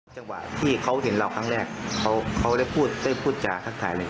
จังหวะที่เขาเห็นเราครั้งแรกเขาได้พูดได้พูดจาทักทายเลย